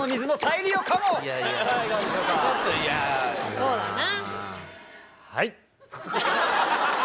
そうだな。